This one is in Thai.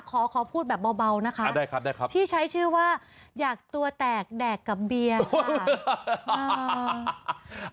ขอขอพูดแบบเบานะคะได้ครับที่ใช้ชื่อว่าอยากตัวแตกแดกกับเบียร์ค่ะ